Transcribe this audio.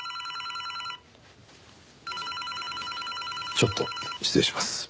ちょっと失礼します。